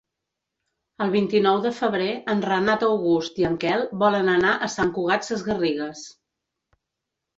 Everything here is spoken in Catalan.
El vint-i-nou de febrer en Renat August i en Quel volen anar a Sant Cugat Sesgarrigues.